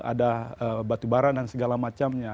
ada batubara dan segala macamnya